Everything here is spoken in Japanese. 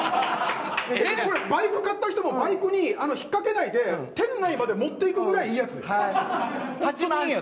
これ、バイク買った人がバイクに引っかけないで店内まで持っていくぐらいいいやつだよ。